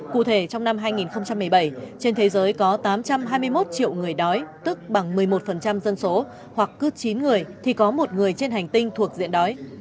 cụ thể trong năm hai nghìn một mươi bảy trên thế giới có tám trăm hai mươi một triệu người đói tức bằng một mươi một dân số hoặc cứ chín người thì có một người trên hành tinh thuộc diện đói